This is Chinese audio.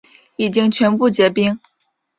已经全部结冰